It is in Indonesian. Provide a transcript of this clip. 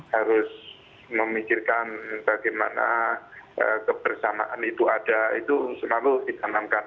harus memikirkan bagaimana kebersamaan itu ada itu selalu ditanamkan